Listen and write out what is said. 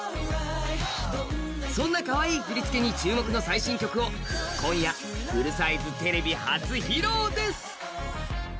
そんなかわいい振り付けに注目の最新曲を今夜、フルサイズテレビ初披露です